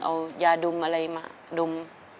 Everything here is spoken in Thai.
เอายาดมอะไรมาดม